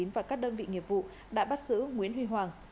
công an tp hà nội và các đơn vị nghiệp vụ đã bắt giữ nguyễn huy hoàng